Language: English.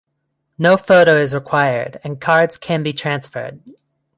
No photo is required, and cards can be transferred.